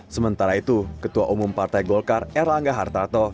sementara itu ketua umum partai golkar r angga hartarto